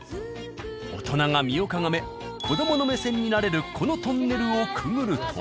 大人が身をかがめ子どもの目線になれるこのトンネルをくぐると。